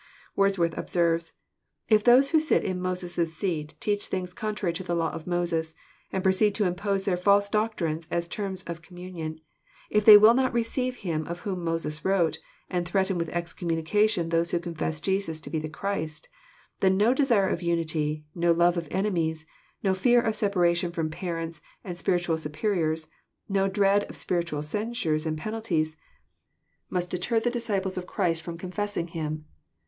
Wordsworth observes :" If those who sit in Moses' seat teach things contrary to the law of Moses, and proceed to impose their false doctrines as terms of communion ; If they will not receive Him of whom Moses wrote, and threaten with excom munication those who confess Jesus to be the Christ, then no desire of unity, no love of enemies, no fear of separation from parents, and spiritual superiors, no dread of spiritual censures and penalties, must deter the disciples of Christ firom confess JOHN, CHAP. IX. 169 log Him.